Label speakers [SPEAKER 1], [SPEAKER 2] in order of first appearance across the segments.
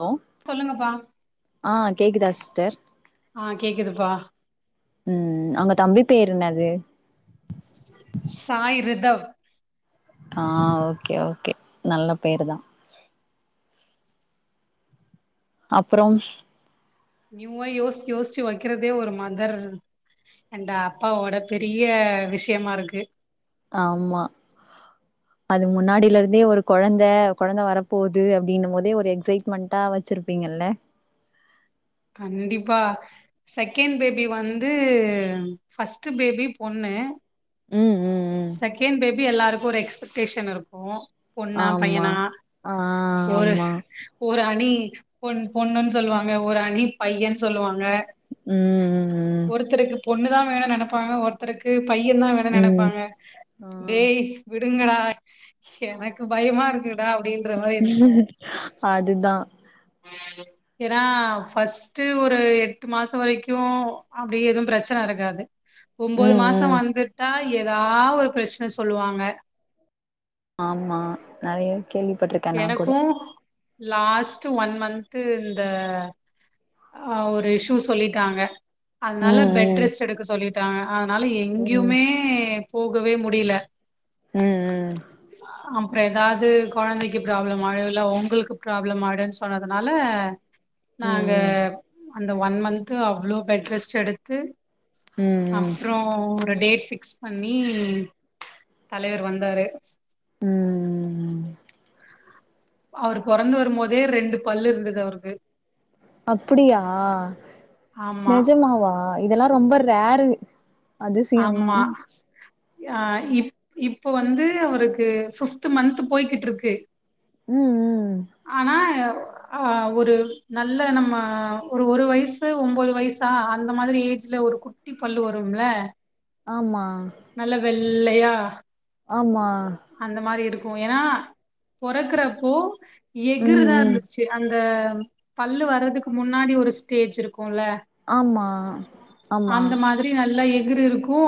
[SPEAKER 1] Hello
[SPEAKER 2] சொல்லுங்கப்பா
[SPEAKER 1] ஆ கேக்குதா சிஸ்டர்
[SPEAKER 2] ஆ கேக்குதுப்பா
[SPEAKER 1] உம் அங்க தம்பி பேர் என்னாது
[SPEAKER 2] சாய் ரிதவ்
[SPEAKER 1] ஆ ஓகே ஓகே நல்ல பேரு தான் அப்புறம்
[SPEAKER 2] நியூவா யோசிச்சு யோசிச்சு வைக்கிறதே ஒரு மதர் அண்ட் அப்பாவோட பெரிய விஷயமா இருக்கு
[SPEAKER 1] ஆமா அது முன்னாடியில இருந்தே ஒரு கொழந்தை கொழந்த வரப்போகுது அப்டின்னும் போதே ஒரு எக்சைட்மெண்ட்டா வச்சிருப்பீங்கல்ல
[SPEAKER 2] கண்டிப்பா செகண்ட் ‌பேபி வந்து ஃபஸ்ட் பேபி பொண்ணு
[SPEAKER 1] ம் ம் ம்
[SPEAKER 2] செகண்ட் பேபி எல்லாருக் ஒரு எக்ஸ்பெக்டேஷன் இருக்கும் பொண்ணா
[SPEAKER 1] ஆமா
[SPEAKER 2] பையனா
[SPEAKER 1] ஆ
[SPEAKER 2] ஒரு
[SPEAKER 1] ஆமா
[SPEAKER 2] ஒரு அணி பொண் பொண்ணுன்னு சொல்லுவாங்க ஒரு அணி பையன் சொல்லுவாங்க
[SPEAKER 1] உம் உம்
[SPEAKER 2] ஒருத்தருக்கு
[SPEAKER 1] உம்
[SPEAKER 2] பொண்ணு தான் வேணும் நெனப்பாங்க ஒருத்தருக்கு பையன் தான் வேணு
[SPEAKER 1] ம்
[SPEAKER 2] நெனைப்பாங்க
[SPEAKER 1] ஆ
[SPEAKER 2] டேய் இருங்கடா எனக்கு பயமா இருக்குடா அப்டின்
[SPEAKER 1] அதுதா
[SPEAKER 2] ஏன்னா ஃபஸ்ட்டு ஒரு எட்டு மாசோ வரைக்கு அப்டி ஏதுவு பிரச்சன இருக்காது உம்போது
[SPEAKER 1] ம்
[SPEAKER 2] மாசோ
[SPEAKER 1] ம்
[SPEAKER 2] வந்துட்டா ஏதாவ் ஒரு ப்பரச்சன சொல்லுவாங்க
[SPEAKER 1] ஆமா நெறைய கேள்விப்பட்ருக்கே நா கூட
[SPEAKER 2] லாஸ்ட்டு ஒன் மந்த்து இந்த அ ஒரு இஷ்யூ சொல்லிட்டாங்க அதனால
[SPEAKER 1] ம்
[SPEAKER 2] பெட்
[SPEAKER 1] ம்
[SPEAKER 2] ரெஸ்ட் எடுக்க சொல்லி டாங்க அதனால
[SPEAKER 1] ம்
[SPEAKER 2] எங்கியுமே போகவே முடில
[SPEAKER 1] ம் ம்
[SPEAKER 2] ஆமா எதாவ்து கொழந்தைக் கு ப்ராப்ளம் ஆயிடு இல்ல உங்குளுக்கு ப்ராப்ளம் ஆயிடும்ன்னு சொன்னதுனால
[SPEAKER 1] ம்
[SPEAKER 2] நாங்க
[SPEAKER 1] ம்
[SPEAKER 2] அந்த ஒன் மந்த்து அவ்ளோ பெட்ரெஸ்ட் எடுத்து
[SPEAKER 1] ம் ம்
[SPEAKER 2] அப்றோ ஒரு டேட் பிக்ஸ் பண்ணி தலைவர் வந்தாரு
[SPEAKER 1] ம் ம் ம்
[SPEAKER 2] அவுரு பொறந்து வரும் போதே ரெண்டு பல்லூ இருந்துது அவுருக்கு
[SPEAKER 1] அப்படியா
[SPEAKER 2] ஆமா
[SPEAKER 1] நெஜமாவா இதெல்லா ரொம்ப ரேரு அதிசியம் தா
[SPEAKER 2] அ இப் இப்ப வந்து அவருக்கு ஃபிப்த்து மன்த் போய்க்கிட்ருக்கு
[SPEAKER 1] ம் ம்
[SPEAKER 2] ஆனா அ ஒரு நல்ல நம்ம ஒரு ஒரு வயசு உம்போது வய்சா அந்த மாதிரி ஏஜ்ல ஒரு குட்டி பல்லு வரும்ல்ல
[SPEAKER 1] ஆமா
[SPEAKER 2] நல்ல வெள்ளையா
[SPEAKER 1] ஆமா
[SPEAKER 2] அந்தமாரி இருக் இப்போ ஏன்னா பொறக்குறப்போ
[SPEAKER 1] ம்
[SPEAKER 2] எகுருதா
[SPEAKER 1] ம்
[SPEAKER 2] இருந்துச்சு அந் இந்த பல்லு வர்றதுக்கு முன்னாடி ஒரு ஸ்டேஜ் இருக்கு ல்ல
[SPEAKER 1] ஆமா ஆமா
[SPEAKER 2] அந்த மாதிரி நல்லா எக் கிருக்கு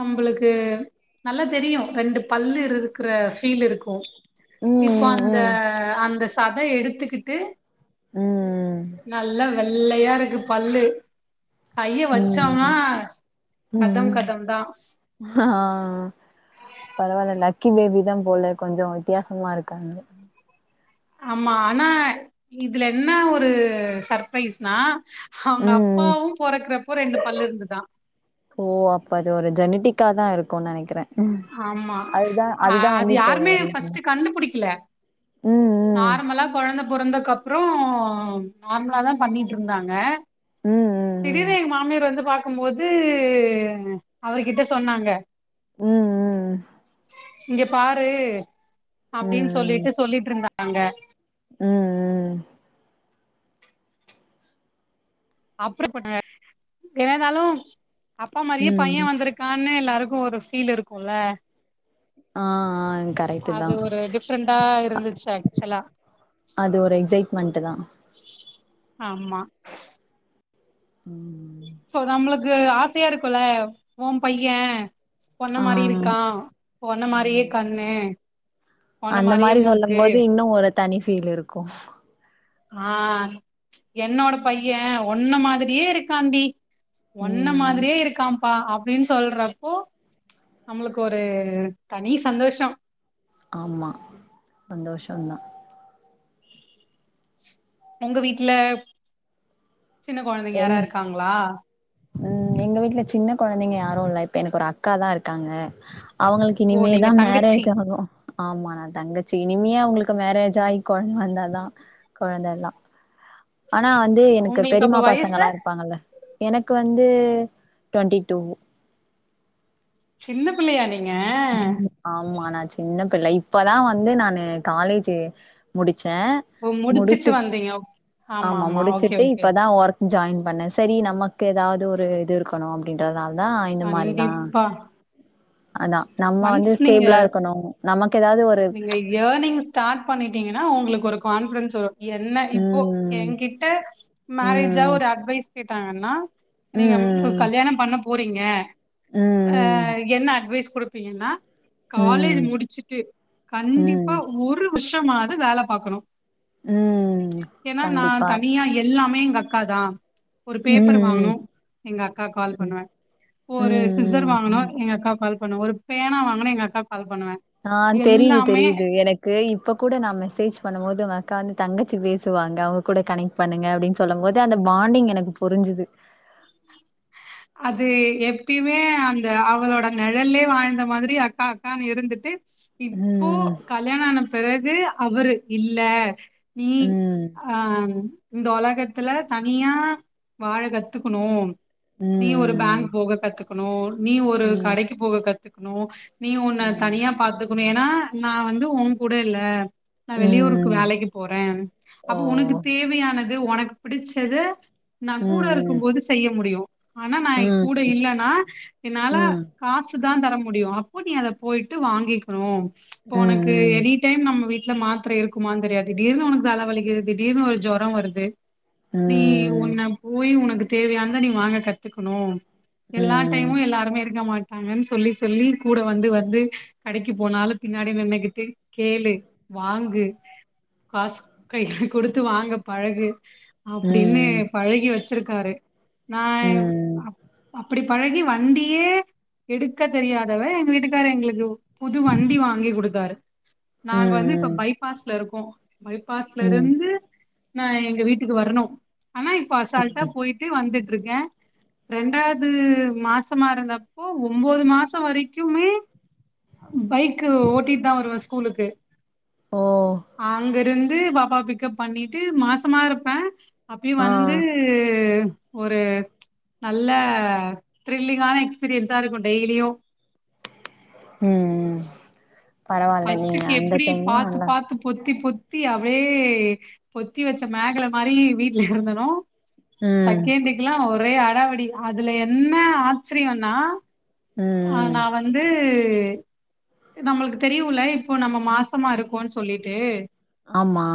[SPEAKER 2] நம்பளுக்கு நல்லா தெரியு ரெண்டுப் பல்லு இருக்கிற ஃபீல் இருக்கு இப்ப
[SPEAKER 1] ம்
[SPEAKER 2] அந்த
[SPEAKER 1] ம்
[SPEAKER 2] அந்தஸ் சத எடுத்துக்கிட்டு
[SPEAKER 1] ம்
[SPEAKER 2] நல்ல வெள வெள்ளையா இருக்கு பல்லு கைய
[SPEAKER 1] ம்
[SPEAKER 2] வச்சோம்னா
[SPEAKER 1] ஹூம்
[SPEAKER 2] கதம்
[SPEAKER 1] உம்
[SPEAKER 2] கதம் தா
[SPEAKER 1] அஹ் ஆஹ் பரவால்ல லக் க்கி பேபி தா போல கொஞ்ச வித்தியாசமா இருக்கான்ன
[SPEAKER 2] ஆமா ஆனா இதுல என்ன ஒரு சர்ப்ரைஸ்னா அவங்க
[SPEAKER 1] ம்
[SPEAKER 2] அப்பாவு பொறக்குறப்போ ரெண்டு பல்லு இருந்துதா
[SPEAKER 1] காதா இருக்குன் நெனைக்கற
[SPEAKER 2] ஆமா அஹ் அது
[SPEAKER 1] இப்போ
[SPEAKER 2] யாருமே
[SPEAKER 1] லைனா
[SPEAKER 2] ஃபர்ஸ்ட் கண்டுபுடிக்கல
[SPEAKER 1] ம் ம்
[SPEAKER 2] நார்மலா கொழந்த பெறந்தக்கப்புறம் நார்மலாதா பண்ணிட்டு இருந்தாங்க
[SPEAKER 1] ம் ம்
[SPEAKER 2] திடீர்னு எங்க மாமியார் வந்து பாக் கும்போது அவருகிட்ட சொன்னாங்க
[SPEAKER 1] ம் ஹூம் ம்
[SPEAKER 2] இங்க பாரு
[SPEAKER 1] ம் ம்
[SPEAKER 2] அப்டின்
[SPEAKER 1] ம்
[SPEAKER 2] சொல்லிட்டு சொல்லிட்ருந்தா றாங்க
[SPEAKER 1] ம் ம்
[SPEAKER 2] அப்டி பண்ணுவ என்னனாலு அப்பா மாரியே
[SPEAKER 1] ம்
[SPEAKER 2] பைய
[SPEAKER 1] ம்
[SPEAKER 2] வந்துருக்கான்னு எல்லாரு ஒரு ஃபீல் இருக்குல்ல
[SPEAKER 1] ஆ ஆ கரெக்டுதா
[SPEAKER 2] அது ஒரு டிஃப்ரெண்டா இருந்துச்சு ஆக்சுவலா
[SPEAKER 1] அது ஒரு எக்சைட்மெண்ட்தா
[SPEAKER 2] ஆமா
[SPEAKER 1] ம்
[SPEAKER 2] சோ நம்மளுக் கு ஆசையாருக்குல்ல உம்பைய ஒன்ன
[SPEAKER 1] ஆ
[SPEAKER 2] மாரி இருக்கா ஒன்ன மாரியே
[SPEAKER 1] ஆமா
[SPEAKER 2] கண்ணு ஒன்ன
[SPEAKER 1] அந்த
[SPEAKER 2] மாரியே
[SPEAKER 1] மாரி சொல்லும்
[SPEAKER 2] மூக்கு
[SPEAKER 1] போது இன்னு ஒரு தனி ஃபீல் இருக்கு
[SPEAKER 2] ஆ, என்னோட பைய ஒன்ன மாதிரியே இருக்காண்டி ஒன்ன
[SPEAKER 1] ம்
[SPEAKER 2] மாதிரியே இருக்கா ப்பா அப்டின்னு சொல்றப்போ நம்மளுக்கு ஒரு தனி சந்தோஷம்
[SPEAKER 1] ஆமா சந்தோஷந்தா
[SPEAKER 2] உங்க வீட்ல சின்ன கொழந்தைங்க
[SPEAKER 1] எங்
[SPEAKER 2] யாரா இருக்காங்ளா
[SPEAKER 1] ம் எங்க வீட்ல சின்ன கொழந்தைங்க யாரு இல்ல, இப்ப எனக்கு ஒரு அக்காதா இருக்காங்க அவங்கள்க்கு
[SPEAKER 2] ஓ! நீங்க
[SPEAKER 1] இனிமேதா
[SPEAKER 2] தங்கச்சி.
[SPEAKER 1] மேரேஜ் ஆகு ஆமா நா தங்கச்சி இ னி அவங்களுக்கு மேரேஜ் ஆயி கொழந்த வந்தா தா கொழந்தல்லா ஆனா வந்து எனக்கு
[SPEAKER 2] உங்களுக்கு அப்ப
[SPEAKER 1] பெரிம்மா
[SPEAKER 2] வயசு?
[SPEAKER 1] பசங்கல்லா இருப்பாங்கல்ல எனக் கு வந்து டுவன்டி டூ
[SPEAKER 2] சின்ன பிள்ளயா நீ
[SPEAKER 1] ஆமா நா சின்ன பிள்ளை இப்பதா வந்து நானு காலேஜு முடிச் ச
[SPEAKER 2] ஓ! முடிச்சுட்டு
[SPEAKER 1] முடுச்சுட்
[SPEAKER 2] வந்தீங்க. ஓ
[SPEAKER 1] ஆமா
[SPEAKER 2] ஆமாமா. ஓகே,
[SPEAKER 1] முடுச்சுட்டு
[SPEAKER 2] ஓகே.
[SPEAKER 1] இப்பதா ஒர்க் ஜாயின் பண்ண செரி நமக்கு ஏதாவ்து ஒரு இது இருக்கணு அப்டின்றதுனால தா இந்த மாரிலா
[SPEAKER 2] கண்டிப்பா.
[SPEAKER 1] அதா நம்ம வந்து
[SPEAKER 2] ஒன்ஸ் நீங்க
[SPEAKER 1] ஸ்டேப்ளா இருக்கணு நமக்
[SPEAKER 2] நீங்க இயேனிங் ஸ்டார்ட் பண்ணிடீங்கனா உங்ளுக் ஒரு கான்பிடன்ஸ் வரு என்ன இப்போ
[SPEAKER 1] ம்
[SPEAKER 2] எங்கிட்ட மேரேஜா
[SPEAKER 1] ம்
[SPEAKER 2] ஒரு அட்வைஸ் கே கேட்டாங்கன்னா நீங்க முப்
[SPEAKER 1] ம்
[SPEAKER 2] கல்யாணொ பண்ண போ போறீங்க அ
[SPEAKER 1] ம்
[SPEAKER 2] என்ன அட்வைஸ் கொடுப்பீங்கன்னா காலேஜ்
[SPEAKER 1] ம் ம்
[SPEAKER 2] முடிச்சுட்டு கண்டிப்பா
[SPEAKER 1] ம்
[SPEAKER 2] ஒரு வருஷமாவது வேல பாக்கணு
[SPEAKER 1] ம்
[SPEAKER 2] ஏனா நா
[SPEAKER 1] கண்டிப்பா
[SPEAKER 2] தனியா எல்லாமே அக்காதா ஒரு
[SPEAKER 1] ம்
[SPEAKER 2] பேப்பர்
[SPEAKER 1] ம்
[SPEAKER 2] வாங்கனு எங்க அக்கா கால் பண்ணுவ ஒரு சிஸர்
[SPEAKER 1] ம்
[SPEAKER 2] வாங்கனு
[SPEAKER 1] ம்
[SPEAKER 2] எங்க அக்காக்கு கால் ப பண்வ ஒரு பேனா வாங்கன்னா எங்க அக்காக்கு கால் பண்ணுவே
[SPEAKER 1] ஆ தெரியிது
[SPEAKER 2] எல்லாமே
[SPEAKER 1] தெரியிது எனக்கு இப்ப கூட நா மெசேஜ் பண்ணும்போது உங்க அக்கானு தங்கச்சி பேசுவாங்க அவங்க கூட கனெக்ட் பண்ணுங்க அப்டினு சொல்லும் போது அந்த பாண்டிங் எனக்கு புரிஞ்சுது
[SPEAKER 2] அது எப்பியுமே அந்த அவளோட நிழல்லே வாழ்ந்த மாதிரி அக்கா அக்கானு இருந்துட்டு இப்போ
[SPEAKER 1] ம்
[SPEAKER 2] கல்யாணொ ஆன பெறக் கு அவரு இல்ல நீ
[SPEAKER 1] ம்
[SPEAKER 2] ஆ இந்த உலகத்துல தனியா வாழ கத்துக்குணு நீ ஒரு பங்க்
[SPEAKER 1] ம்
[SPEAKER 2] போக கத்துக் குனு நீ ஒரு
[SPEAKER 1] ம்
[SPEAKER 2] கடைக்கு போக கத்து குனு நீ உன்ன
[SPEAKER 1] ம்
[SPEAKER 2] தனியா பாத்து வேனா நா வந்து ஒங்கூட இல்ல நா வெளியூருக்கு
[SPEAKER 1] ம்
[SPEAKER 2] வேலைக்கு போறே
[SPEAKER 1] ஓ
[SPEAKER 2] அப்போ உனுக்கு தேவையான அது ஒனக்கு பிடிச்சத நா கூட
[SPEAKER 1] ம்
[SPEAKER 2] இருக்கும்போது செய்ய முடியு ஆனா நா என்
[SPEAKER 1] ம்
[SPEAKER 2] கூட இல்லனா என்னால
[SPEAKER 1] ம்
[SPEAKER 2] காசு தா தர முடியு அப்போ நீ அத போயிட்டு வாங்கிக்குணு இப்ப
[SPEAKER 1] ம்
[SPEAKER 2] ஒனக்கு
[SPEAKER 1] ம்
[SPEAKER 2] எனி டைம் நம்ம வீட் வீட்ல மாத்திரை இருக்குமான்னு தெரியாது திடீர்னு உனக்கு தலை வலிது திடீர்னு ஒரு ஜுரம் வருது
[SPEAKER 1] ம்
[SPEAKER 2] நீ
[SPEAKER 1] ம்
[SPEAKER 2] உன்ன போய் உனக்கு தேவையான தா நீ வாங்க கத்துக்கணு எல்லா டைமும் எல்லாருமே இருக்க மாட்ட ங்கன்னு சொல்லி சொல்லி கூட வந்து வந்து கடைக்கு போனாலும் பின்னாடி நின்னுகிட்டு கேளு வாங்கு காசு கைல கொடுத்து வாங்க பழகு அப்டின்னு
[SPEAKER 1] ம்
[SPEAKER 2] பழகி வச்சிருக் கரு நா [unintelligible]
[SPEAKER 1] ம்
[SPEAKER 2] ப்புடி பழகி வண்டியே எடுக்க தெரியாதவ எங்க வீட்டுக்கார எங்குளுக்கு புது வண்டி வாங்கி குடுத்தாரு நாங்க வந்து இப்ப
[SPEAKER 1] ம்
[SPEAKER 2] பைபாஸ்ல இருக்கோ பைபாஸ்ல
[SPEAKER 1] ம்
[SPEAKER 2] இருந்து நா எங்க வீட்டுக்கு வரணு ஆனா இப்ப அசால்ட்டா
[SPEAKER 1] ம்
[SPEAKER 2] போயிட்டு வந்துட் இருக்கேன் ரெண்டாவது மாசமா இருந்தப்போ ஒன்பது மாசம் வரைக்குமே பைக் ஓட்டிட்டு தான் வருவேன் வ ஸ்கூலுக்கு
[SPEAKER 1] ஓ
[SPEAKER 2] அங்கிருந் வந்து பாப்பா பிக்கப் பண்ணிட்டு மாசமா இருப்பேன் அப்பையும்
[SPEAKER 1] ஆ
[SPEAKER 2] வந்து ஒரு நல்ல த்ரில்லிங்கான எக்ஸ்பீரியன்ஸா இருக்கும் டெய்லியும்
[SPEAKER 1] உம் ம் பரவால்ல நீங்க
[SPEAKER 2] ஃபஸ்ட்டுக்கு
[SPEAKER 1] அந்த
[SPEAKER 2] எப்படி
[SPEAKER 1] டைமு
[SPEAKER 2] பாத்து
[SPEAKER 1] நல்லா
[SPEAKER 2] பாத்து பொத்தி பொத்தி பொத்தி அப்படியே பொத்தி வச்ச மேகல மாதிரி வீட்ல இருந்தேனோ
[SPEAKER 1] ம்
[SPEAKER 2] செகேண்டுக்கெல்லாம் ஒரே ஆ அடாவடி அதுல என்ன ஆச்சரியம்னா
[SPEAKER 1] ம்
[SPEAKER 2] ஆஹ
[SPEAKER 1] ம்
[SPEAKER 2] நான் வந்து நம்மளுக்கு தெரியுமில இப்போ நம்ம மாசமா இருக்கோன்னு சொல்லிட்டு
[SPEAKER 1] ஆமா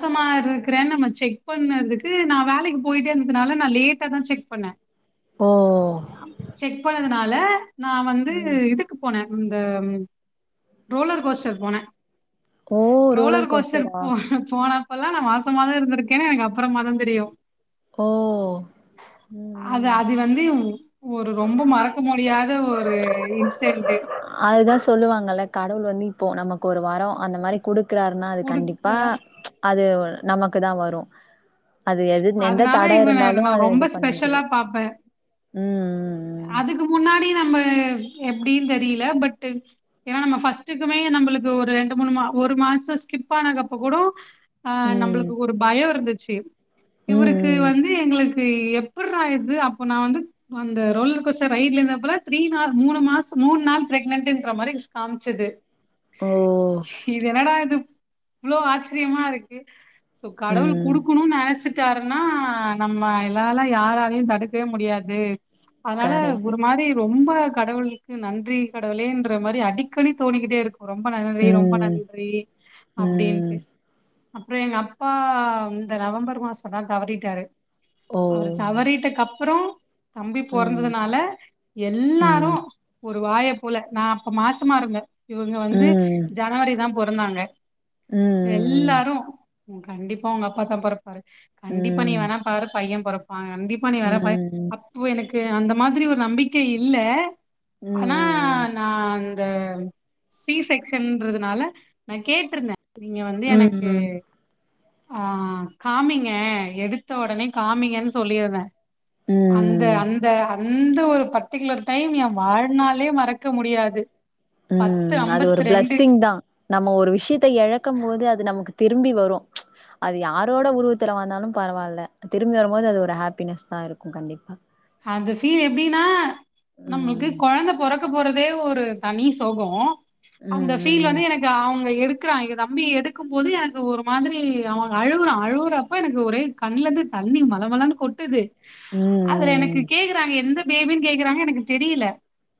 [SPEAKER 2] மாசமா இருக்கறேன்னு நம்ம செக் பண்ணறதுக்கு நான் வேலைக்கு போயிட்டே இருந்ததுனால நான் லேட்டா தான் செக் பண்ணேன்
[SPEAKER 1] ஓ
[SPEAKER 2] செக் பண்ணதனால அல [unintelligible] நா வந்து
[SPEAKER 1] ம்
[SPEAKER 2] இதுக்கு போனேன் இந்த ரோலர் கோஸ்டர் போனே
[SPEAKER 1] ஓ ரோலர்
[SPEAKER 2] ரோலர்கோஸ்டர்
[SPEAKER 1] கோஸ்டரா
[SPEAKER 2] போ போனா இப்பெல்லாம் நா மாசமாவே இருந்திருக்கேன் எனக்கு அப்புறமா தான் தெரியும்
[SPEAKER 1] ஓ ம்
[SPEAKER 2] அது அ
[SPEAKER 1] ம்
[SPEAKER 2] அது வந்து ஒரு ரொம்ப மறக்க முடியாத ஒரு இன்சி டெண்டு
[SPEAKER 1] அதுதா சொல்லுவாங்கல்ல கடவுள் வந்து இப்போ நமக்கு ஒரு வரோ அந்த மாரி கொடுக் க்கிறார்னா அது கண்டிப்பா
[SPEAKER 2] குடுக்க
[SPEAKER 1] அது நமக்கு தா வரோ
[SPEAKER 2] அதனால இவன நா ரொம்ப
[SPEAKER 1] இது பண்ண
[SPEAKER 2] ஸ்பெஷலா
[SPEAKER 1] முடியாது
[SPEAKER 2] பாரப்ப
[SPEAKER 1] ம்
[SPEAKER 2] அதுக்கு முன்னாடி நம்ப எப்படீனு தெரியல பட்டு ஏன்னா நம்ம ஃபஸ்ட்டுக்குமே நம்மளுக்கு ஒரு ரெண்டு மூணு மா ஒரு மாசோ ஸ்கிப் ஆன அப்ப கூட ஆ
[SPEAKER 1] ம் ம்
[SPEAKER 2] நம்மளுக்கு ஒரு பயோ இருந்து [unintelligible]
[SPEAKER 1] ம்
[SPEAKER 2] இவுருக்கு
[SPEAKER 1] ம்
[SPEAKER 2] வந்து எங்களுக்கு கு எப்பரா இது அப்போ நா வந்து அந்த ரோலர் கொச்ச ரைடுல இருந்த போல த்ரீ ந மூணு மாசோ மூணு நாள் பிரெக்னன்டன்ற மாரி காமிச்சது
[SPEAKER 1] ஓ
[SPEAKER 2] இது என்னடா ஆது இவ்ளோ ஆச்சரியமா இருக்கு சோ கடவுள்
[SPEAKER 1] ம்
[SPEAKER 2] குடுக்கணோ நெனைச் வச்சட்டாருன்னா நம்ம எல்லாலா யாராலையும் தடுக்கவே முடியாது அதனால
[SPEAKER 1] கரெக்ட்
[SPEAKER 2] ஒரு மாரி ரொம்ப கடவுளுக்கு நன்றி கடவுளே என்ற மாரி அடிக்கடி தோணிக்கிட்டே இருக் கு ரொம்ப நன்றி ரொம்ப
[SPEAKER 1] ம்
[SPEAKER 2] நன்றி அப்படின்ட்டு
[SPEAKER 1] ம்
[SPEAKER 2] அப்புறோ எங்க அப்பா இந்த நவம்பர் மாசோ இப்பதா தவறிட்டாரு அவரு
[SPEAKER 1] ஓ
[SPEAKER 2] தவறிட்ட கப்புறோ தம்பி
[SPEAKER 1] ம்
[SPEAKER 2] பொறந்ததுனால எல்லாரோ
[SPEAKER 1] ம்
[SPEAKER 2] ஒரு வாய போல நா அப்ப மாசமா இருந்த இவங்க வந்து
[SPEAKER 1] ம்
[SPEAKER 2] ஜனவரி தா பொறந்தாங்க
[SPEAKER 1] ம் ம்
[SPEAKER 2] எல்லாரோ உ கண்டிப்பா உங்க அப்பா தா பொறப்பாரு
[SPEAKER 1] ம்
[SPEAKER 2] கண்டிப்பா நீ வேணா பாரு பைய பொறப் கண்டிப்பா நீ வர
[SPEAKER 1] ம்
[SPEAKER 2] அப்போ எனக்கு அந்த மாதிரி ஒரு நம்பிக்க இல்ல ஆனா நான் த சி செக்ஷன்றதுனால நா கேட்ருந்த நீங்க வந்து
[SPEAKER 1] ம்
[SPEAKER 2] எனக்கு
[SPEAKER 1] ம்
[SPEAKER 2] ஆ காமி ங்க எடுத்த ஒடனே காமிங்கன்னு சொல்லிற அந்த
[SPEAKER 1] ம்
[SPEAKER 2] அந்த அத் அந்த ஒரு பர்ட்டிகுலர் டைம் என் வாழ்னாலே மறக்க முடியாது பத்து
[SPEAKER 1] உம் அது ஒரு
[SPEAKER 2] அம்பத்தி ரெண்டு
[SPEAKER 1] பிளஸ்ஸிங் தா நம்ம ஒரு விஷயத்த எழக்கும் போது அது நமக்கு திரும்பி வரு ப்சி அது யாரோட உருவத்துல வந்தாலு பரவால திரும்பி வருபோது அது ஒரு ஹாப்பினஸா தா இருக்கு கண்டிப்பாக
[SPEAKER 2] அந்த ஃபீல் எப்டின்னா நம்ளுக்கு
[SPEAKER 1] ம்
[SPEAKER 2] கொழந்த பொறக்க போற தே ஒரு தனி சொகோ அந்த ஃபீல் வந்து
[SPEAKER 1] ம்
[SPEAKER 2] எனக்கு அவுங்க எடுத் க்கிறா எயா தம்பி எடுக்கு போது எனக்கு ஒரு மாதிரி அவே அழுவுறா அழுவுறப்ப எனக்கு ஒரே கண்லருந்து தண்ணி மல மலன்னு கொட்டுது
[SPEAKER 1] ம்
[SPEAKER 2] அதல எனக்
[SPEAKER 1] ம்
[SPEAKER 2] கேக்குறாங்க எந்த பேபின்னு கேக்குறாங்க எனக்கு தெரியில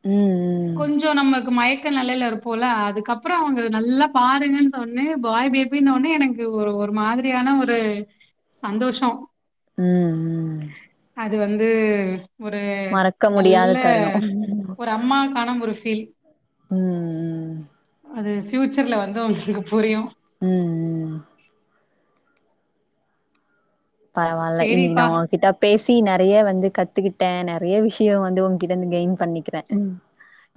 [SPEAKER 1] ம் ம் ம் ம்
[SPEAKER 2] கொஞ்சோ நமக்கு மயக் க்க நெலையில இருப்போல அதுக்கப்ரோ அவுங்க நல்லா பாருங்கன்னு சொன்னே பாய் பேபின்ன ஒன்னே எனக்கு ஒரு ஒரு மாதிரியான ஒரு சந்தோஷ
[SPEAKER 1] உம் உம்
[SPEAKER 2] அது வந்து ஒரு
[SPEAKER 1] முடியாத
[SPEAKER 2] நல்ல
[SPEAKER 1] தருணோ ம்
[SPEAKER 2] ஒரு அம்மாக்கான ஒரு ஃபீல்
[SPEAKER 1] உம் உம்
[SPEAKER 2] அது ஃபியூட்சர்ல வந்து உங்ளுக்கு புரியு
[SPEAKER 1] உம் உம் பரவால்ல இன்னைக்கு நா
[SPEAKER 2] சேரிப்பா
[SPEAKER 1] உங்க கிட்ட பேசி நெறைய வந்து கத்துக்கிட்டே நெறைய விஷயோ வந்து உங்கிட்ட இருந்து கெயின் பண்ணிக்கிறே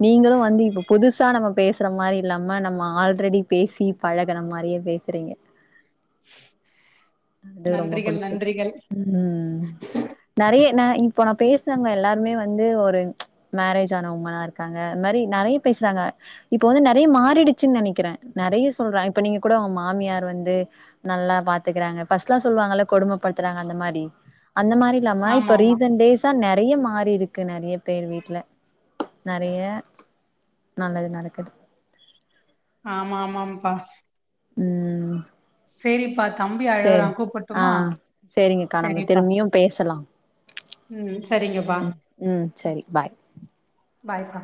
[SPEAKER 1] நீங்ளு வந்து இப்ப புதுசா நம்ம பேசுற மாரி இல்லாம நம்ம ஆல்ரெடி பேசி பழகன மாரியே பேசுறீங்க அது ரொம்ப
[SPEAKER 2] நன்றிகள்
[SPEAKER 1] புடிச்சு இருக்கு
[SPEAKER 2] நன்றிகள்
[SPEAKER 1] ம் ம் நெறைய ந இப்போ நா பேசுறவங்க எல்லாருமே வந்து ஒரு ப்ச் மேரேஜ் ஆனவுங்லா ஆ இருக்காங்க அதுமாரி நெறைய பேசுறாங்க இப்ப வந்து நெறைய மாறிடுச்சின் நெனைக்கிறே நெறைய சொல்றாங்க இப்ப நீங்க கூட மாமியார் வந்து நல்லா பாத்துக்றாங்க ஃபர்ஸ்ட்லா சொல்லுவாங்கல்ல கொடுமைப்படுத்துறாங்க அந்த மாரி அந்த மாரி இல்லாம
[SPEAKER 2] ஆமா
[SPEAKER 1] இப்ப
[SPEAKER 2] ஆமா
[SPEAKER 1] ரீசன்டேஸ்ஸா ஆ நெறைய மாறி இருக்கு நெறைய பேர் வீட்டுல நெறைய நல்லது நடக்குது
[SPEAKER 2] ஆமா ஆமாப்பா
[SPEAKER 1] உம்
[SPEAKER 2] சேரி பாத்து
[SPEAKER 1] செரி ஆஹ் சேரிங்கக்கா நம்ம
[SPEAKER 2] சரிப்பா
[SPEAKER 1] திரும்பியும் பேசலாம்
[SPEAKER 2] ம் சரிங்கப்பா
[SPEAKER 1] உம் சரி பாய்
[SPEAKER 2] பாய்பா